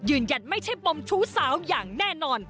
ยืนยันไม่ใช่ปมชู้สาวอย่างแน่นอน